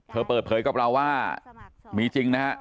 เธอเปิดเผยกับเราว่ามีจริงนะครับ